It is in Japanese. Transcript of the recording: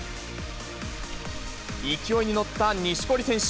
勢いに乗った錦織選手。